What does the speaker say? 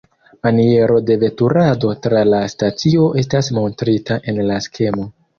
Maniero de veturado tra la stacio estas montrita en la skemo.